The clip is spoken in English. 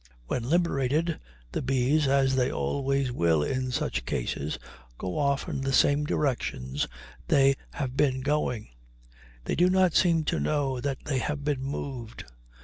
When liberated, the bees, as they always will in such cases, go off in the same directions they have been going; they do not seem to know that they have been moved.